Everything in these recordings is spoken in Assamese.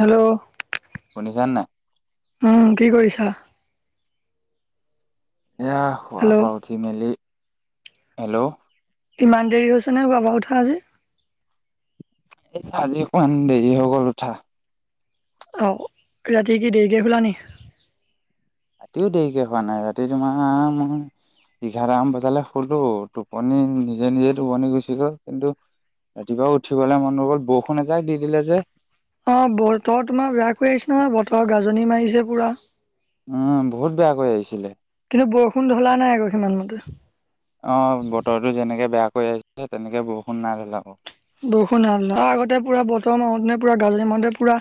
হেল্ল'। শুনিছা নাই? উম, কি কৰিছা? এইয়া শুৱ হেল্ল' পৰা উঠি মেলি, হেল্ল'। ইমান দেৰি হৈছে নে, শুবাৰ উঠা আজি। এ আজিকমান দেৰি হৈ গ'ল উঠা। অহ, ৰাতি কি দেৰিকে শুলা নেকি? ৰাতিও দেৰিকে শুৱা নাই, ৰাতি তোমাৰ এঘাৰমান বজালে শুলো টোপনি নিজে-নিজে টোপনি গুচি গ'ল, কিন্তু ৰাতিপুৱা উঠিবলে মন নগ'ল, বৰষুণ এজাক দি দিলে যে। অহ, বতৰ তোমাৰ বেয়া কৰি আহিছে নহয়, বতৰ গাজনি মাৰিছে পুৰা। উম, বহুত বেয়া কৈ আহিছিলে। কিন্তু বৰষুণ ধলা নাই আকৌ সিমান মতে। অ', বতৰো যেনেকে বেয়া কৰি আহিছে তেনেকে বৰষুণ না [unintelligible] বৰষুণ আগতে পুৰা বতৰ মাহত নে পুৰা গাজৰি মাহতে পুৰা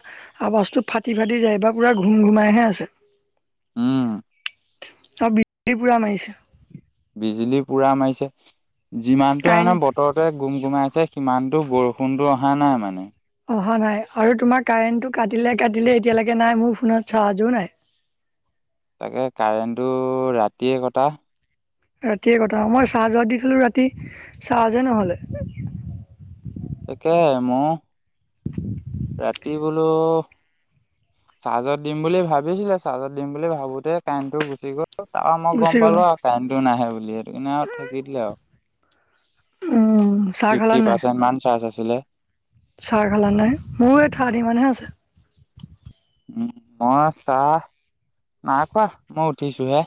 আৱাজটো ফাটি ফাটি যায়। এইবাৰ পুৰা ঘুম ঘুমাইহে আছে। উম। আৰু বিজুলী পুৰা মাৰিছে। বিজুলী পুৰা মাৰিছে, যিমানটো মানে কাৰেণ্ট বতৰতোৱে গুম গুমাইছে সিমানতো বৰষুণতো অহা নাই মানে। অহা নাই আৰু তোমাৰ কাৰেণ্টটো কাটিলে কাটিলে এতিয়ালৈকে নাই মোৰ ফোনত চাৰ্জো নাই। তাকে কাৰেণ্টটো ৰাতিয়ে কটা। ৰাতিয়ে কথা মই চাহ যোৱ দিছিলো ৰাতি চাহ যে নহলে। তাকে মও [unintelligible] ৰাতি বোলো চাৰ্জত দিম বুলি ভাবিছিলে চাৰ্জত দিম বুলি ভাবোতে কাৰেণ্ট টো গুচি গ'ল। তাৰ মই গুচি গম গ'ল পালো আৰু কাৰেণ্টটো নাহে বুলি সেইটো কিণে আৰু থাকি দিলো আৰু। উম, চাহ খালা ফিফটি নাই? পাৰ্চেন্ট মান চাৰ্জ আছিলে। চাহ খালা নাই? মোৰ এ থাৰ্টি মানহে আছে। উম, মই চাহ নাই খোৱা মই উঠিছোহে।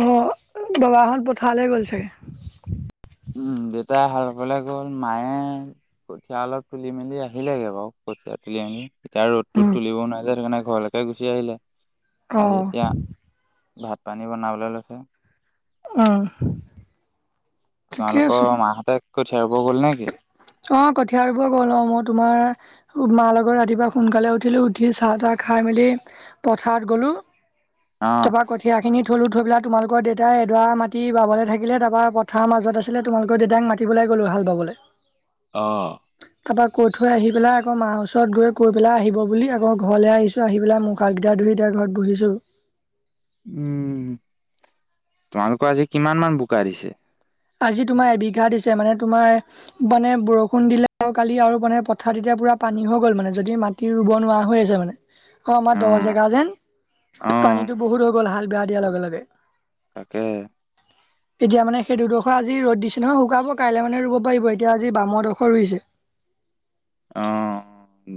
অ', বাবাহঁত পথাৰলে গ'ল চাগে। উম, দেউতাই সালফালে গ'ল মায়ে কঠীয়া অলপ তুলি মেলি আহিল লোগে বাৰু কঠীয়া তুলি আনি। এতিয়া ৰ'দতো উম, তুলিবও নোৱাৰ যে সেইকাৰণে ঘৰলৈকে গুচি আহিলে। আহি অ'। এতিয়া ভাত পানী বনাবলৈ লৈছে। উম। ঠিকে তোমালোকৰ আছে। মাহঁতে কঠীয়া ৰুব গ'ল নে কি? অ', ঠিয়াৰ পৰা গল মই তোমাৰ মা লগৰ ৰাতিপুৱা সোনকালে উঠিলো উঠি চাহ তাহ খাই মেলি পথাৰত গ'লো, অ তাপা কঠিয়া সেইিনি থলোঁই তোালোকৰ দেউতাই এডৰা মাটতি বাবলৈ থিলে তাৰপৰা পথাৰ মাজত আছিলে তোমালোকৰ দেউাক মাতি পেলাই গ'লোঁ হাল বাবলৈ। অ'। তাৰ পৰাৰা কৈ থৈ আহি পেলাই আকৌ মাৰ ওচৰত গৈ কৈ পেলাই আহিব বুলি আকৌ ঘৰলৈ আহিছো আহি পেলাই মুখ হাত গিতা ধু তিয়া ঘৰত বহিছোঁ। উম, তোমালোকৰ আজি কিমান মান বোকা দিছে? আজি তোমাৰ এবিঘা দিছে মানে তোমাৰ মানে বৰষুণ দিলে আৰু কালি আৰু মানে পথাৰত এতিয়া পুৰা পানী হৈ গ'ল মানে যদি মাটি ৰুব নোৱাৰা হৈ আছে মানে। অ', আমাৰ দহ অ', জেগা যেন অ', পানীতটো বহুত হৈ গ'ল হাল বেয়া দিয়াৰ লগে লগে। তাকে। তেতিয়া মানে সেই দুড খ আজি ৰ'দ দিছে নহয় শুকাব কাইলৈ মানে ৰুব পাৰিব এতিয়া আজি বামৰডোখৰ ৰুইছে। অ',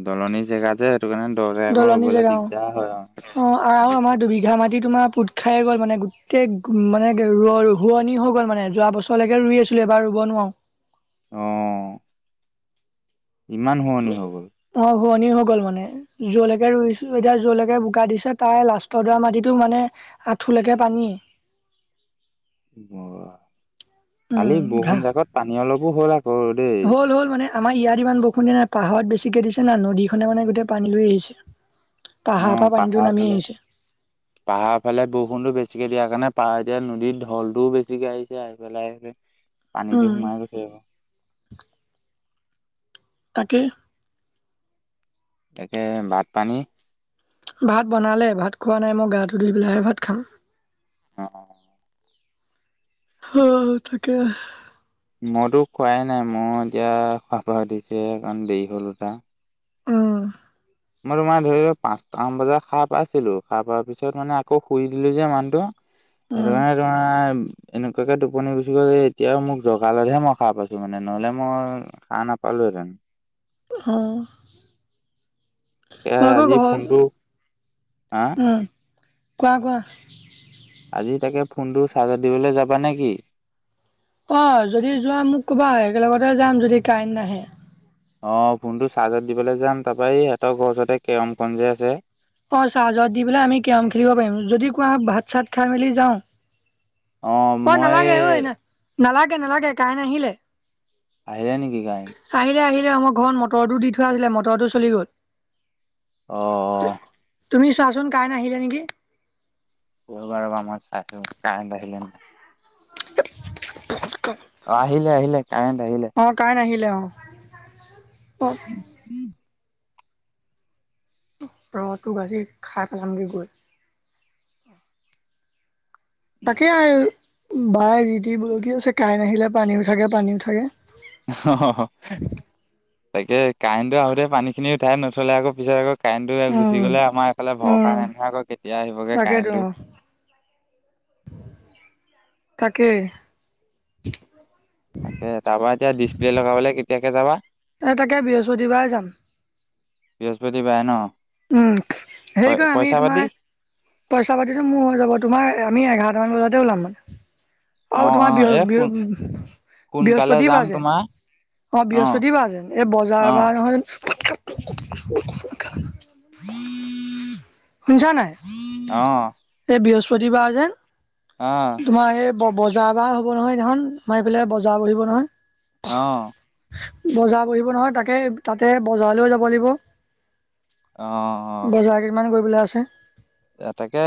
দলনি জেগা যে হে দলনি জেগাও অ', আৰু আমাৰ দুবিঘা মাটিত তোমাৰ পোট খাই গ'ল মানে গোটেই মানে ৰ হোৱনি হৈ গ'ল মানে যোৱা বছৰলৈকে ৰুই আছিলে এবাৰ ৰুব নোৱাৰোঁ। অ'। ইমান হোৱনী হৈ গ'ল। হোৱনী হৈ গ'ল মানে যলৈকে ৰুইছোঁ এতিয়া যলৈকে বোকা দিছে তাই লাষ্টৰডৰা মাটিটো মানে আঁঠুলেকে পানী। অ', কালি উম ঘাঁহ বৰষুণ জাকত পানী অলপো হ'ল আক হল হ'ল মানে আমাৰ ইয়াত ইমান বৰষুণ দিয়া নাই পাহাৰত বেছিকে দিছে না, নদীখনে মানে গোটেই পানী লৈ আহিছে। পাহাৰৰ পৰা অ', পানীটো পাহাৰ নামি ফালে, আহিছে পাহাৰ ফালে বৰষুণতো বেছি বেছিকে দিয়াৰ কাৰণে পাৰ এতিয়া নদীৰত ঢলটোও বেছিকে আহিছে আহি পেলাই আহি পাই পানী দি উম সোমাই গৈছে তাকেই। তাকে ভাত পানী? ভাত বনালে, ভাত খোৱা নাই মই গাটো ধুই পেলাইাহে ভাত খাম। অ'। অ'তাকে। মইতো খোৱাই নাই মোৰ এতিয়া [unintelligible] দিছে কাৰণ দেৰি উঠা। উম। মই তোমাৰ ধৰি পাঁচটামান বজাত সাৰ পাইছিলো, সাৰ পোৱাৰ পিছত মানে আকৌ শুই দিলো যে মানুহটো। সেইটো উম কাৰণে তোমাৰ এনেকুৱাকে টোপনি গুচি গ'ল যে এতিয়াও মোক জগালতহে মই সাৰ পাইছো মানে, নহ'লে মই সাৰ নাপালো [unintelligible] অ'। [unintelligible] এ কোৱা আজি ফোনটো হা কোৱা। আজি তাকে ফোনটো চাৰ্জাৰ দিবলৈ যাবা নেকি? অ', যদি যোৱা মোক কবা একেলগতে যাম যদি কাইম নাহে। অ', ফোনটো চাৰ্জত দিবলৈ যাম, তাৰৰা ই সিহঁতৰ ঘৰ ওচৰতে কেৰমখন যে আছে অ', চাহজত দি পেলাই আমি কেৰম খেলিব পাৰিম। যদি কোৱা হয় ভাত চাত খাই মেলি যাওঁ। অ নালাগে ঐ, ন নালাগে নালাগে কৰেন আহিলে। আহিলে নেকি কৰেন। আহিলে আহিলে আমাৰ ঘৰত মটৰটো দি থোৱা আছিলে, মটৰটো চলি গ'ল। অ অ তুমি চোৱাচোন কাই নাহিলে নেকি? ৰবা-ৰবা মই চাইছো, কাৰেণ্ট আহিলে নে নাই। [unintelligible] অ আহিলে আহিলে। কাৰেণ্ট আহিলে অ কাৰেণ্ট নাহিলে অ। অ [unintelligible] ৰ'হ তোক আজি খাই পেলামগৈ গৈ। তাকে আৰু বাই জি-তি বকি আছে কাৰেন আহিলে পানী উঠাগে পানী উঠগে। অ তাকে কাৰেণ্টটো আহোতে পানী খিনি উঠাই নথলে আকৌ পিছত আকৌ কাৰেণ্টটো গুচি উম গ'লে আমাৰ এইফালে ভৰসা উম নাই নহয় আকৌ কেতিয়া আহিবগে তাকেতো কাৰেণ্টটো। অ [inaudible] তাকে। তাকে তাৰপা এতিয়া ডিছপ্লে লগাবলৈ কেতিয়াকে যাবা? বৃহস্পতি বাৰ যাম। বৃহস্পতি বাৰে ন। উম প হেৰি কয় আমি পইচা তোমাৰ পাতি পইচা পাতিতো মোৰ হৈ যাব তোমাৰ আমি এঘাৰ [unintelligible] অ আৰু তোমাৰ অ এ সোন সোনকালে বৃহ-বৃহস্পতি যাম বাৰ যে তোমাৰ অ বৃহস্পতি বা যে, এই বজাৰ অ বাৰ নহয় য [unintelligible] শুনছা নাই? অ। এই বৃহস্পতিবাৰ যে আহ। বজাৰ বাৰ হ'ব নহয় সেইদিনা খন, আমাৰ এইফালে বজাৰ বহিব নহয়। অহ, বজাৰ বহিব নহয় তাকে তাতে বজাৰলৈৈও যাব লাগিব। অ, অ। বজাৰ [unintelligible] এ তাকে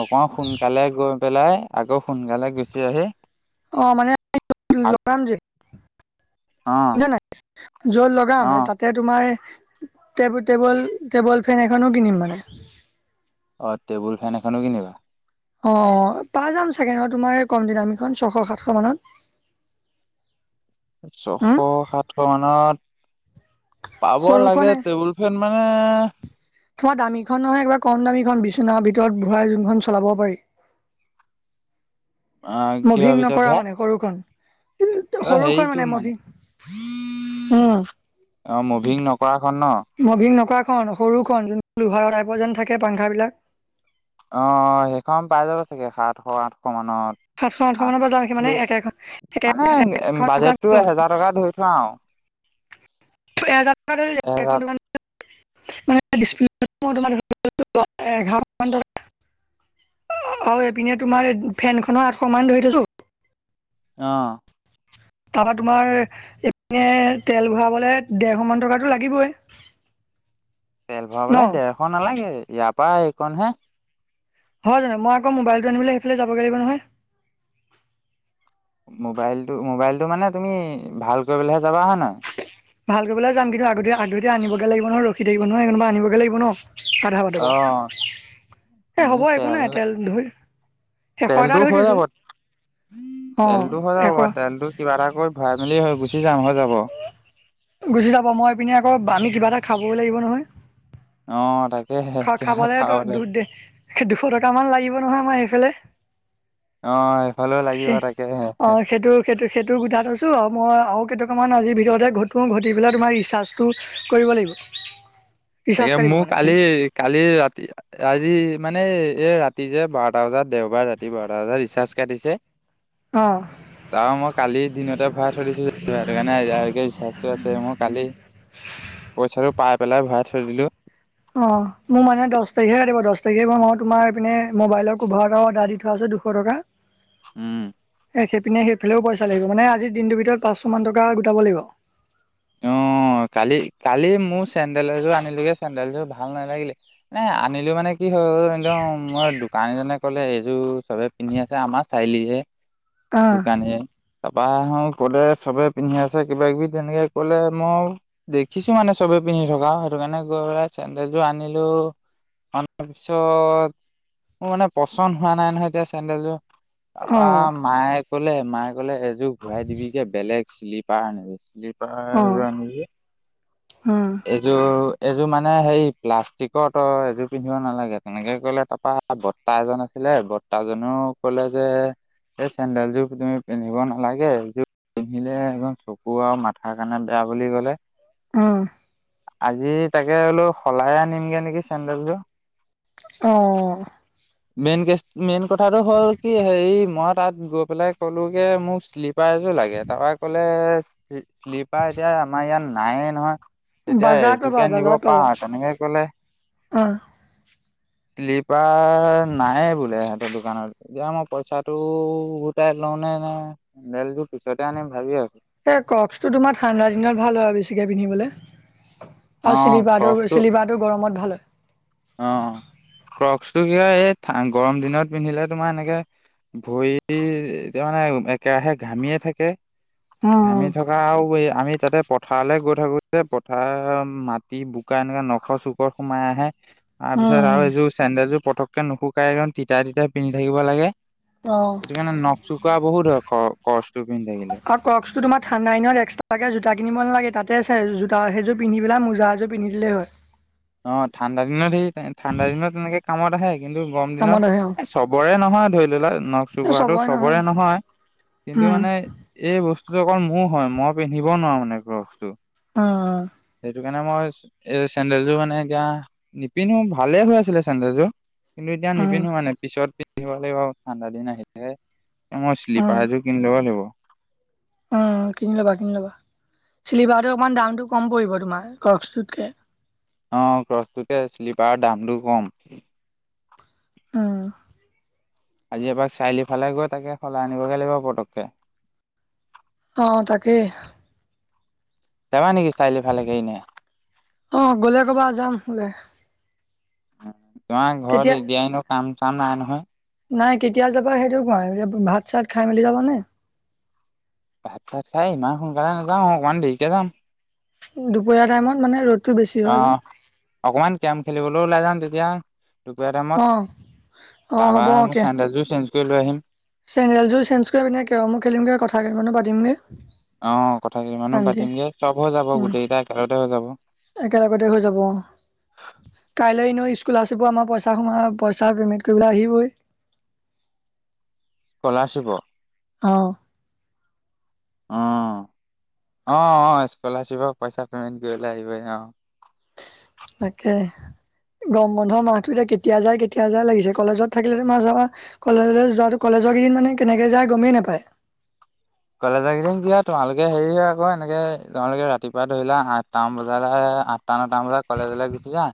অক সোনকালে গৈ পেলাই আকৌ সোনকালে গুচি আহি অ মানে আক [unintelligible] অ [unintelligible] নাই যত লগাম অ মে তাতে তোমাৰ টেবুল টেবুল ফেন এখনো কিনিম মানে। অ, টেবুল ফেন এখনো কিনিবা? অ, পাই যাম চাগে ন' তোমাৰ কম দামিখন ছশ সাতশ মানত? ছশ হম সাতশ মানত পাব সৰুখন লাগে, টেবুল ফেন মানে তোমাৰ দামীখন নহয় কিবা কম দামীখন বিচন ভিতৰত ভূঢৰাই যোনখন চলাব পাৰি। [inaudible] অ কিহৰ মভিং ভিতৰত নকৰা ভাই মানে সৰুখন। অ সৰু খন হেৰিটো মানে মভিঙ উম, অ, মুভিং নকৰাখন ন? খন সৰুখনন যোন লোহাৰ টাইপ যেন থাকে পাংখা বিলাক। অ, সেইখন পাই যাব চাগে সাতশ আঠশ মানত। সাতশ আঠশ আঠ মানত মানে বাজেটটো এহেজাৰ টকা ধৰি থোৱা আৰু এহেজাৰ [unintelligible] [unintelligible] [unintelligible] অ, এইপিনে তোমাৰ ফেনখননৰ আঠশ মান ধৰি থৈছো, অহ, তাৰপা তোমাৰ এইপিনে তোমাৰ তেল ভৰাবলে ডৰশ মান টকাতো লাগিবই। তেল ন ভৰাবলে ডৰশ নালাগে, ইয়াৰ পৰা এইকনহে। হয় জানো? মই আকৌ মোবাইলটো আনিবলৈ সেইফালে যাবগে লাগিব নহয়। মোবাইলটো-মোবাইলটো মানে তুমি ভাল কৰিবলৈহে যাবা হয় নাই? ভাল কৰিবলৈ যাম, কিন্তু আগত-আগধৈ আনিবগৈ লাগ ন' ৰখি থাকিব নহয় [unintelligible] আনিবগে লাগিব ন'। আধা বাটৰ পৰা অ এ, হ'ব একো নাই তেল ধই এশ এটা ধৰি দিছোঁ। তেলতটো হৈ যাবাৰ তেলতটো কিবা এটা কৰি ভৰাই মেলি হৈ গুচি যাম হৈ যাব। গুচি যাব মইপিনে আকৌ আমি কিবা এটা খাবই লাগিব নহয়। অ, তাক খ-খাবলৈ দু-দে-দুশ টকাামান লাগিব নহয় আমাৰ সেইফালে। অ', এইফালেও লাগিব তাকেহে। অ সেইটো সেইটো সেইটো গোটাই থৈছো আৰু মই আৰু কেইটকামান আজিৰ ভিতৰতে ঘটো, ঘটি পেলাই তোমাৰ ৰিচাৰ্জটো কৰিব লাগিব। ৰিচাৰ্জ তাকে কাটিব মোৰ মানে কালি কালি ৰাতি আজি মানে এই ৰাতি যে বাৰটা বজাত দেওবাৰ ৰাতি বাৰটা বজাত ৰিচাৰ্জ কাটিছে অ, তাৰ মই কালি দিনতে ভৰা থৰিছো কাৰণে বিশ্বাসটো আছে মই কালি পইচাটো পাই পেলাই ভৰাই থৈ দিলো। অ, মোৰ মানে দহ তাৰিখে দিব দহ তাৰিখে পৰা মই তোমাৰপিনে মোবাইলৰ কভাৰ এভাৰ এা দি থোৱা আছিল দুশ টকা। উম, এ, সেইপিনে সেইফালেও পইচা লাগিব মানে আজি দিনটোৰ ভিতৰত পাঁচশ মান টকা গোটাব লাগিব। অ, অ, কালি-কালি মোৰ চেন্দেল এযোৰ আনিলোগে চেন্দেলযোৰ ভাল নালাগিলে মানে আনিলো মানে কি হ'ল একদম মই দোকানীজনে কলে এইযোৰ চবে পিন্ধি আছে, আমাৰ চাৰিআলিতহে অ'। তাৰ পা হো ক'লে চবে পিন্ধি আছে কিবা কিবি তেনেকে কলে মই দেখিছো মানে চবে পিন্ধি থকা সেইটো কাৰণে গৈ পেলাই চেণ্ডেলযোৰ আনিলো। অনাৰ পিছত মোৰ মানে পচন্দ হোৱা নাই নহয় এতিয়া চেন্দেলযোৰ। তাৰ অ পা মায়েক ক'লে, মায়ে ক'লে এযোৰ ঘূৰাই দিবি গে বেলেগ শ্লিপাৰ আনিবি অ পাই যাম নেকি? উম এইযোৰ এইযোৰ মানে হেই প্লাষ্টিকত তই এযোৰ পিন্ধিব নালাগে, তেনেকে কলে তাৰপা বৰতা এজন আছিল লে বৰতা জনেওঁ কলে যে এই চেণ্ডেলযোৰ তুমি পিন্ধিব নালাগে এইযোৰ পিন্ধিলে একদম চকু আৰু মাথাৰ কাৰণে বেয়া বুলি ক'লে। অ'। আজি তাকে বোলো সলাই আনিমগে নেকি চেণ্ডেলযোৰ। অ'। মেইন কেছ মেইন কথাটো হ'ল কি হেৰি মই তাত গৈ পেলাই ক'লোগে মোক শ্লিপ পাৰ এযোৰ লাগে, তাৰ পৰা ক'লে শ্লিপাৰ এতিয়া আমাৰ ইয়াত নায়ে নহয়। এতিয়া বাজাৰত পাবা এযোকে নিব বাজাৰত পাবা পাৰা তেনেকে ক'লে। অ শ্লিপাৰ নায়েই বোলে দোকানত। এতিয়া মই পইচাটো উভতাই লওঁ নে নাই বেলযোৰ পিছতে আনিম ভাবি আছোঁ। এ ক্ৰকসটো তোমাৰ ঠাণ্ডা দিনত ভাল হয় বেছিকে পিন্ধিবলৈ। অ আৰু শ্লিপাৰটো ক্ৰকচটো শ্লিপাৰটো গৰমত ভাল হয়। অ' ক্ৰকসটো সেয়া এই ঠান গৰম দিনত পিন্ধিলে তোমাৰ এনেকে ভৰি তাৰ মানে একেৰাহে ঘামিয়ে থাকে। উম ঘামি থকা আৰু এই আমি তাতে পথাৰলৈ গৈ থাকো যে‌ পথাৰৰ মাটি- বোকা এনেকা নখৰ চুকত সোমাই আহে। তাৰ পিছত আৰু উম এইযোৰ চেণ্ডেলযোৰ পটকে নুশুকাই এইখন তিতা তিতা পিন্ধি থাকিব লাগে। অ সেইটো কাৰণে নখচোকোৱা বহুত হয় ক ক্ৰসটো পিন্ধি থাকিলে। আৰু ক্ৰক্সটো তোমাৰ ঠাণ্ডা দিনত এক্সট্ৰাকে জোতা কিনিব নালাগে, তাতে আছে জোতা সেইযোৰ পিন্ধি পেলাই মোজা এযোৰ পিন্ধি দিলেই হয়। অ' ঠাণ্ডা দিনত সেই ঠাণ্ডা দিনত তেনেকে কামত আহে। কিন্তু গৰম দিনত কামত আহে আৰু এ চবৰে নহয় ধৰি ললা নখ চকুৱাটো চবৰে নহয়। কিন্তু উম মানে এই বস্তুটো অকল মোৰ হয়, মই পিন্ধিব নোৱাৰো মানে ক্ৰকসটো। অ'। সেইটো কাৰণে মই এই চেণ্ডেলযোৰ মানে এতিয়া নিপিন্ধো ভালে হৈ আছিলে চেণ্ডেলযোৰ। কিন্তু এতিয়া উম নিপিন্ধো মানে পিছত পিন্ধিব লাগিব ঠাণ্ডা দিন আহিলে। এ মই শ্লিপাৰ এযোৰ কিনি ল'ব লাগিব। অ' কিনি লবা, কিনি লবা। শ্লিপাৰটো অকমান দামতটো কম পৰিব তোমাৰ ক্ৰকসটোতকে। অ' ক্ৰকসটোতকে শ্লিপাৰৰ দামটো কম। উম্। আজি এপাক চাৰিআলি ফালে গৈ তাকে সলাই আনিবগে লাগিব পটককে। অ' তাকেই। জাপানীক ষ্টাইলটো ভাল লাগে ইনে। অ' গ'লে ক'বা যাম ওলায়। তোমাৰ ঘৰত এতিয়া এনেওঁ কাম-চাম নাই নহয়। নাই কেতিয়া যাবা সেইটো কোৱা, ভাত-চাত খাই মেলি যাবা নে? ভাত-চাত খাই ইমান সোনকালে নাযাওঁ অকমান দেৰিকে যাম। দুপৰীয়া টাইমত মানে ৰ'দ অ' অকমান কেৰম খেলিবলৈ ওলাই যাম তেতিয়া দুপৰীয়া টাইমত, অ অ তাৰপা মই চেণ্ডেলযোৰ চেঞ্জ কৰি লৈ আহিম। চেণ্ডেলযোৰ চেঞ্জ কৰি পিনে কেৰমো খেলিমগে কথা কেটামানো পাতিমগে। অ' কথা কেইটামান পাতিমগে চ'ব হৈ যাব গোটেই কেইটা একেলগতে হৈ যাব। এই একেলগতে হৈ যাব কাইলে। এনো স্কুলাৰশ্বিপ আমাৰ পইচা সোমা পইচা পেমেন্ট কৰিবলৈ আহিবই। স্কলাৰশ্বিপৰ। অ' অ' অ' অ' স্কলাৰশ্বিপ পইচা পেমেন্ট কৰিবলে আহিব অ'। তাকে। গৰম বন্ধ মাহতটো এতিয়া কেতিয়া যায় কেতিয়া যায় লাগিছে কলেজত থাকিলে মাহ যাবা কলেজলৈ যোৱা কলেজলৈ কলেজ কেইদিন মানে কেনেকে যায় গমেইে নাপায়। [unintelligible] কলেজ কিদিন কি আ তোমালোকে হেৰি হয় আকৌ এনেকে তোমালোকে ৰাতিপুৱা ধৰিলা আঠটামান বজাল আঠ আঠটা নটামান বজাত কলেজলৈ গুচি যায়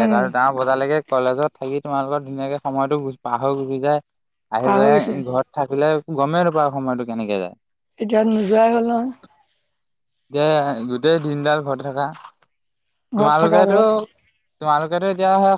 উম এটাৰ দুটামান বজালৈকে কলেজত থাকি। তোমালোকৰ ধুনীয়াকে সময়তো পাহ হৈ গুচি যায় আহি পাৰ হৈ পেলাই গৈছে ঘৰত থাকিলে। গমে নোপাৱাৰ সময়টো কেনেকে যায়। এতিয়া নোযোৱাই হ'ল নহয়। এতিয়া গোটেই দিনডাল ঘৰত থকা। ঘৰত থকা তোমালোকেতো ঘৰত তোমালোকেতো এতিয়া।